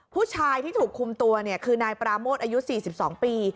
ผู้ชายที่ถูกคุมตัวคือนายปราโมทอายุ๔๒ปี